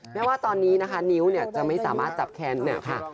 แม้ว่าตอนนี้นะคะนิ้วเนี่ยจะไม่สามารถจับแค้นเนี่ยค่ะ